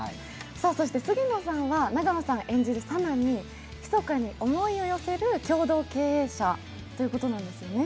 杉野さんは、永野さん演じる佐奈にひそかに思いを寄せる共同経営者ということなんですね？